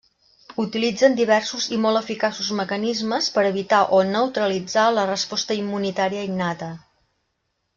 Utilitzen diversos i molt eficaços mecanismes per evitar o neutralitzar la resposta immunitària innata.